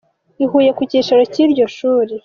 i Huye ku cyicaro cy’iryo shuri.